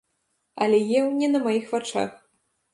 Але еў не на маіх вачах.